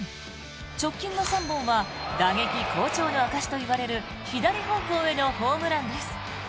直近の３本は打撃好調の証しといわれる左方向へのホームランです。